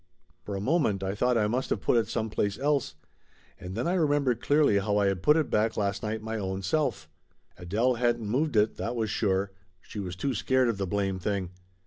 For a moment I thought I must of put it some place else, and then I remembered clearly how I had put it back last night my own self. Adele hadn't moved it, that was sure, she was too scared of the blame thing.